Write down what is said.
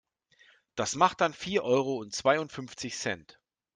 Das macht dann vier Euro und zweiundfünfzig Cent.